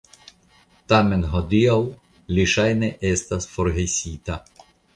Tamen hodiaŭ li ŝajne estas forgesita.